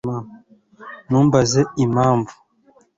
ntumbaze impamvu